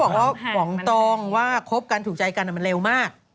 เขาบอกว่าหวังต้องว่าคบกันถูกใจกันมันเร็วมาก